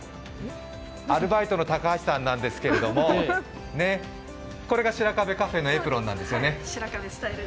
アルバイトの高橋さんなんですけれどもこれが白壁カフェのエプロンなんですよね。